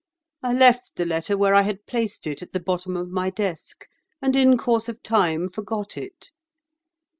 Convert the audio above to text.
I left the letter where I had placed it, at the bottom of my desk, and in course of time forgot it.